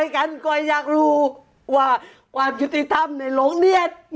ข้อยากรู้ว่าวับอิติธรรมมีได้ไหม